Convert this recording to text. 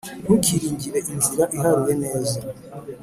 Ntukiringire inzira iharuye neza,